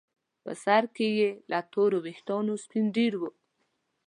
په سر کې یې له تورو ویښتانو سپین ډیر وو.